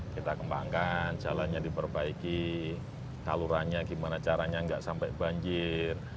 kita kembangkan jalannya diperbaiki salurannya gimana caranya nggak sampai banjir